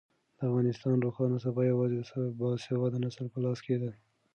د افغانستان روښانه سبا یوازې د باسواده نسل په لاس کې ده.